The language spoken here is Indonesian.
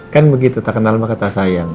kan begitu tak kenal maka tak sayang